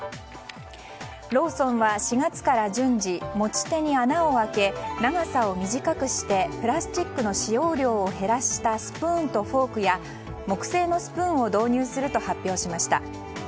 ローソンは、４月から順次持ち手に穴を開け長さを短くしてプラスチックの使用量を減らしたスプーンとフォークや木製のスプーンを導入すると発表しました。